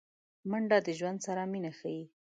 منډه د ژوند سره مینه ښيي